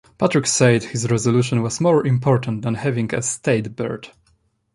Patrick said his resolution was more important than having a "state bird".